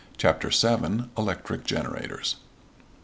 CHAPTER VII. ELECTRIC GENERATORS.